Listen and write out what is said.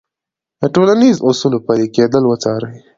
د ټولنیزو اصولو پلي کېدل وڅارئ.